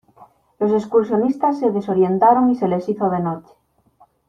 Los excursionistas se desorientaron y se les hizo de noche.